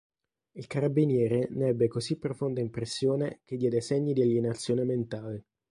Il carabiniere ne ebbe così profonda impressione che diede segni di alienazione mentale"”.